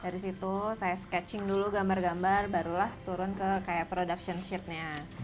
dari situ saya sketching dulu gambar gambar barulah turun ke kayak production ship nya